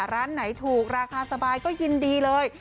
ร้านไหนถูกราคาสบายก็ยินดีเลย